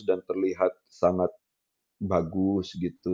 dan terlihat sangat bagus gitu